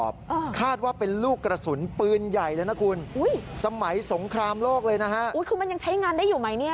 มันยังใช้งานได้อยู่ไหม